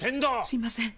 すみません